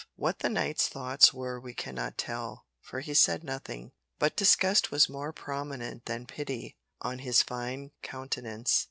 What the knight's thoughts were we cannot tell, for he said nothing, but disgust was more prominent than pity on his fine countenance.